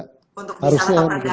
pak ya dari seorang glenn fredly